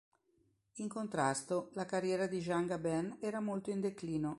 In contrasto, la carriera di Jean Gabin era molto in declino.